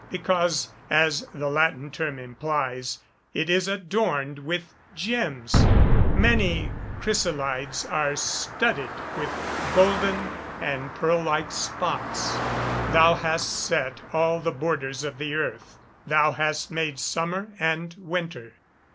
"_ Because, as the Latin term implies, it is adorned with gems. Many chrysalides are studded with golden and pearl like spots. [Verse: "Thou hast set all the borders of the earth: thou hast made summer and winter."